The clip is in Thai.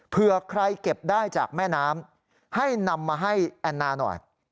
เพื่อใครเก็บได้จากแม่น้ำให้นำมาให้แอนนาหน่อย